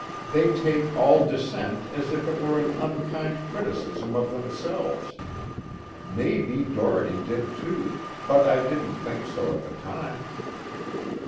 They take all dissent as if it were an unkind criticism of themselves. Maybe Doherty did too, but I didn't think so at the time."